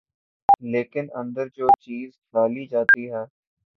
لیکن اندر جو چیز ڈالی جاتی ہے۔